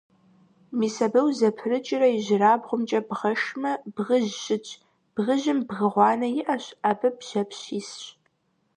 Мис абы узэпрыкӀрэ ижьырабгъумкӀэ бгъэшмэ, бгыжь щытщ, бгыжьым бгы гъуанэ иӀэщ, абы бжьэпщ исщ.